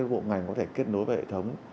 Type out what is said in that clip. về việc các bộ ngành có thể kết nối với hệ thống